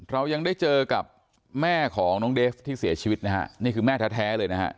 เรายังได้เจอกับแม่ของน้องเดฟที่เสียชีวิตนะฮะนี่คือแม่แท้เลยนะฮะ